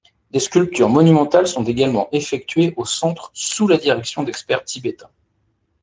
Des sculptures monumentales sont également effectuées au centre sous la direction d'experts tibétains.